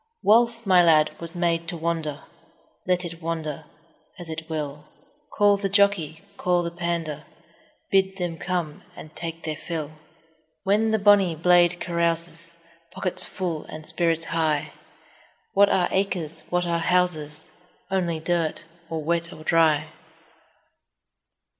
Wealth, my lad, was made to wander, Let it wander as it will; Call the jockey, call the pander, Bid them come and take their fill. 20 When the bonny blade carouses, Pockets full, and spirits high— What are acres? What are houses? Only dirt, or wet or dry.